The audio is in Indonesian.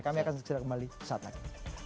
kami akan kembali saat nanti